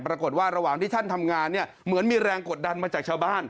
ระหว่างที่ท่านทำงานเนี่ยเหมือนมีแรงกดดันมาจากชาวบ้าน